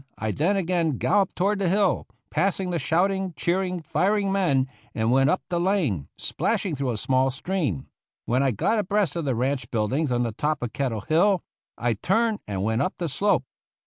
I then again galloped toward the hill passing the shouting, cheering, firing men, and went up the lane, splashing through a small stream ; when I got abreast of the ranch buildings on the top of Kettle Hill, I turned and went up the slope.